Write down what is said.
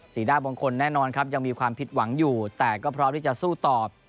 หน้าบางคนแน่นอนครับยังมีความผิดหวังอยู่แต่ก็พร้อมที่จะสู้ตอบ